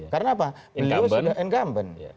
karena apa beliau sudah incumbent